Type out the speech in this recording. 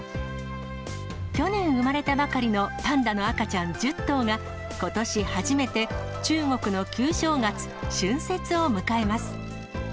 去年産まれたばかりのパンダの赤ちゃん１０頭が、ことし初めて中国の旧正月、春節を迎えます。